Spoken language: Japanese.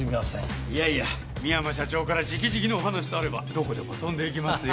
いやいや深山社長から直々のお話とあればどこでも飛んでいきますよ。